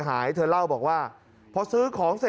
ทำไมคงคืนเขาว่าทำไมคงคืนเขาว่า